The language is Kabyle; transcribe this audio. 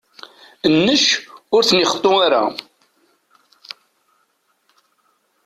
Nnec ur ten-ixeṭṭu ara.